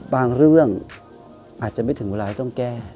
บางเรื่องอาจจะไม่ถึงเวลาที่ต้องแก้